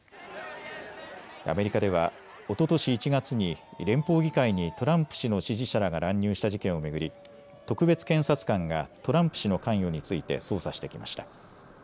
アメリカではおととし１月に連邦議会にトランプ氏の支持者らが乱入した事件を巡り特別検察官がトランプ氏の関与について捜査してきました。